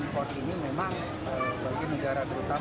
kondisi yang sepajang pajang kebutuhan